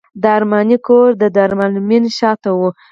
د ارماني کور د دارالمعلمین شاته و.